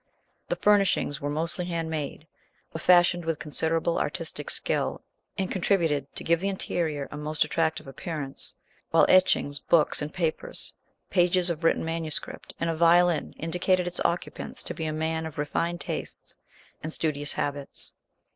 The furnishings were mostly hand made, but fashioned with considerable artistic skill, and contributed to give the interior a most attractive appearance, while etchings, books and papers, pages of written manuscript, and a violin indicated its occupants to be a man of refined tastes and studious habits.